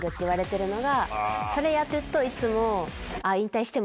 それやってるといつも。